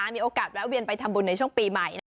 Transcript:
มีโอกาสแวะเวียนไปทำบุญในช่วงปีใหม่